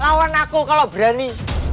lawan aku kalau berani